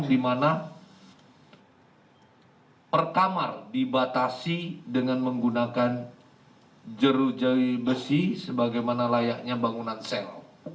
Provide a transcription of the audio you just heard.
di mana per kamar dibatasi dengan menggunakan jerujawi besi sebagaimana layaknya bangunan sel